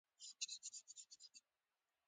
د دې لارښوونې یو اړخ دا دی.